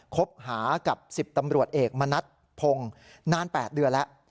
คบหากับ๑๐ตำรวจเอกมณัฐพงศ์นาน๘เดือนแล้ว